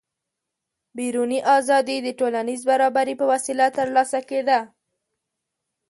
بیروني ازادي د ټولنیز برابري په وسیله ترلاسه کېده.